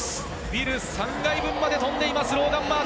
ビル３階分まで飛んでいます。